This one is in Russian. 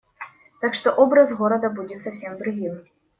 Так что образ города будет совсем другим.